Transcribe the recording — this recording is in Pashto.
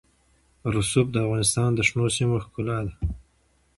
رسوب د افغانستان د شنو سیمو ښکلا ده.